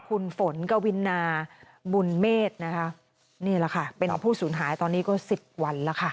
คุณฝนกวินาบุญเมฆเป็นออกผู้สูญหายตอนนี้ก็๑๐วันแล้วค่ะ